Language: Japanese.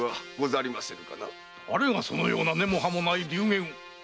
誰がそのような根も葉もない流言を。